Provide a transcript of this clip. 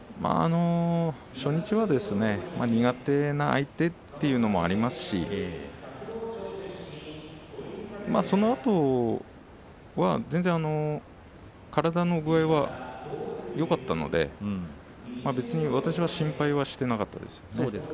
初日は苦手な相手というのもありますしまあ、そのあとは全然体の具合はよかったので別に私は心配はしていなかったですね。